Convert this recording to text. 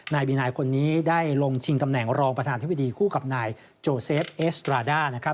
นายบินัยคนนี้ได้ลงชิงตำแหน่งรองประธานธิบดีคู่กับนายโจเซฟเอสตราด้านะครับ